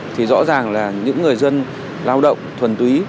thì rõ ràng là những người dân lao động thuần túy